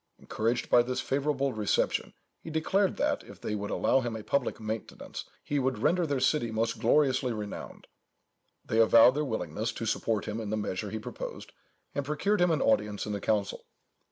Encouraged by this favourable reception, he declared that, if they would allow him a public maintenance, he would render their city most gloriously renowned. They avowed their willingness to support him in the measure he proposed, and procured him an audience in the council.